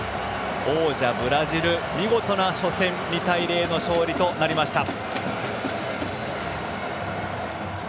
王者ブラジル、見事な初戦２対０の勝利となりました。